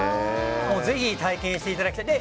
ぜひ体験していただきたい。